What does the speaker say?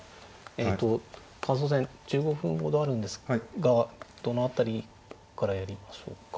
えと感想戦１５分ほどあるんですがどの辺りからやりましょうか。